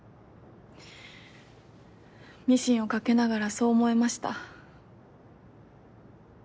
ミシンをかけながらそう思いました。